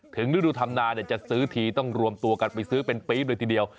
ฤดูธรรมนาจะซื้อทีต้องรวมตัวกันไปซื้อเป็นปี๊บเลยทีเดียว